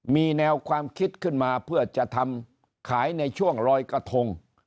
มีแนวความคิดขึ้นมาเพื่อจะทำขายในช่วงลอยกระทง